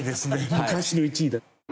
昔の１位だ。